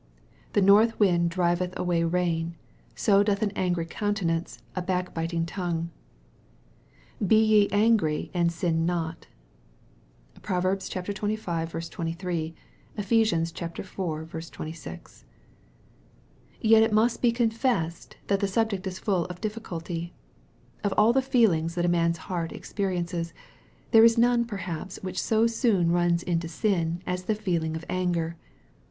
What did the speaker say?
" The north wind driveth away rain, so doth an angry counte nance a backbiting tongue." " Be ye angry and sin not." (Prov. xxv. 23. Ephes. iv. 26.) Yet it must be confessed that the subject is full of dif ficulty. Of all the feelings that man's heart experiences, there is none perhaps which so soon runs into sin as the feeling of anger.